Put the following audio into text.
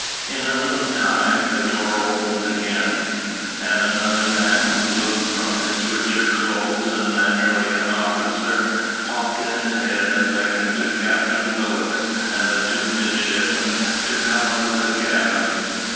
In a little time, the door again opened, and another man, who looked from his richer clothes and manner like an officer, popped in his head and beckoned to Captain Willock and the two midshipmen to come out of the cabin.